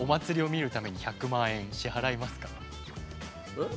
えっ？